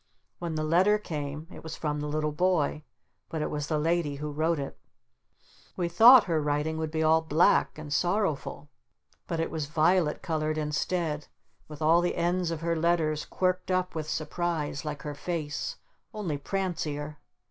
When the letter came it was from the little boy. But it was the Lady who wrote it. We thought her writing would be all black and sorrowful. But it was violet colored instead, with all the ends of her letters quirked up with surprise like her face, only prancier.